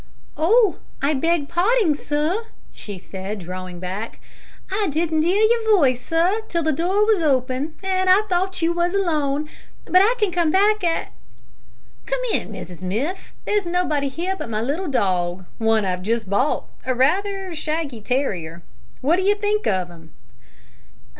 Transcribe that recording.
"Oh! I beg parding, sir," she said, drawing back, "I didn't 'ear your voice, sir, till the door was open, an' I thought you was alone, but I can come back a " "Come in, Mrs Miff. There is nobody here but my little dog one that I have just bought, a rather shaggy terrier what do you think of him?"